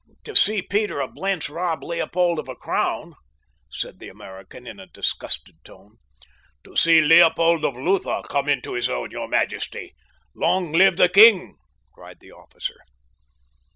"To see Peter of Blentz rob Leopold of a crown," said the American in a disgusted tone. "To see Leopold of Lutha come into his own, your majesty. Long live the king!" cried the officer.